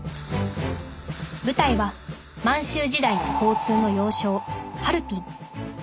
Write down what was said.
舞台は満州時代の交通の要衝ハルピン。